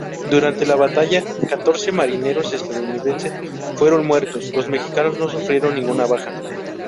Durante la batalla, catorce marineros estadounidenses fueron muertos, los mexicanos no sufrieron ninguna baja.